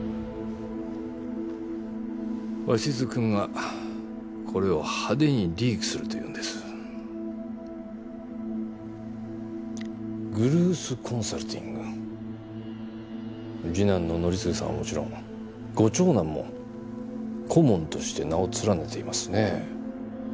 鷲津君がこれを派手にリグルース・コンサルティング次男の紀次さんはもちろんご長男も顧問として名を連ねていますね。